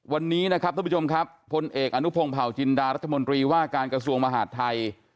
วันนี้นะครับท่านผู้ชมครับพลเอกอนุพงศ์เผาจินดารัฐมนตรีว่าการกระทรวงมหาดไทย